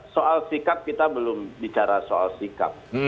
soal sikap kita belum bicara soal sikap